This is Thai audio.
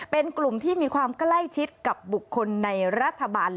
เป็นกลุ่มที่มีความใกล้ชิดกับบุคคลในรัฐบาล